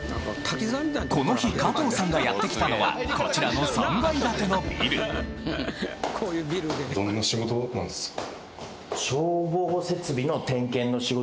この日加藤さんがやって来たのはこちらの３階建てのビルって感じですね。